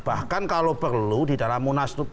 bahkan kalau perlu di dalam munaslup